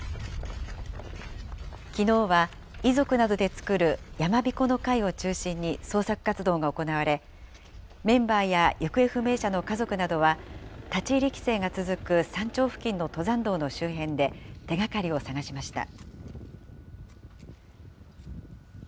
きのうは、遺族などで作る山びこの会を中心に捜索活動が行われ、メンバーや行方不明者の家族などは、立ち入り規制が続く山頂付近の登山道の周辺で、手がかりを捜しました。